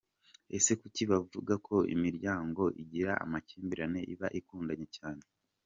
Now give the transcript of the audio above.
Ese kuki bavuga ko imiryango igira amakimbirane iba ikundana cyane?.